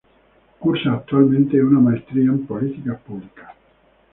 Cursa actualmente una maestría en Políticas Públicas.